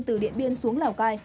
từ địa biên xuống lào cai